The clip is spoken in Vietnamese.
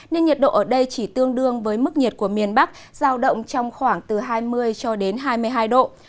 nên nhiệt độ ở đây chỉ tương đương với mức nhiệt của miền bắc giao động trong khoảng từ hai mươi cho đến hai mươi hai độ